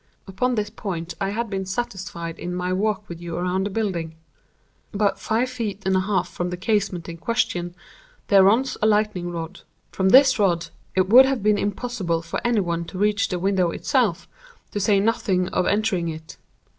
Upon this point I had been satisfied in my walk with you around the building. About five feet and a half from the casement in question there runs a lightning rod. From this rod it would have been impossible for any one to reach the window itself, to say nothing of entering it.